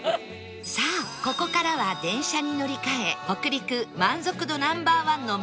さあここからは電車に乗り換え北陸満足度 Ｎｏ．１ の温泉へ